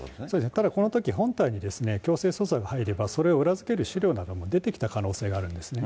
ただこのとき、本体に強制捜査が入れば、それを裏付ける資料なども出てきた可能性があるんですね。